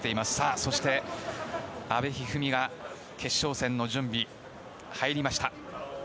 そして、阿部一二三が決勝戦の準備に入りました。